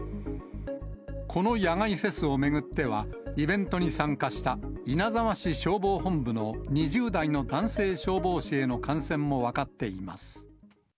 この野外フェスを巡っては、イベントに参加した稲沢市消防本部の２０代の男性消防士への感染も分かっています。